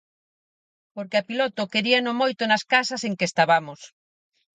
Porque a Piloto queríano moito nas casas en que estabamos.